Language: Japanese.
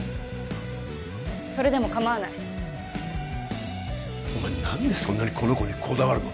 それでもかまわないお前何でそんなにこの子にこだわるの？